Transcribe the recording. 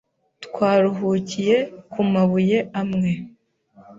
Twaruhukiye ku mabuye amwe.